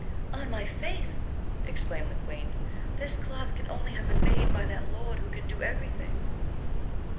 On my faith, exclaimed the queen, this cloth can only have been made by that Lord who can do everything.